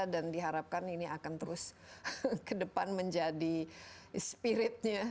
dan diharapkan ini akan terus ke depan menjadi spiritnya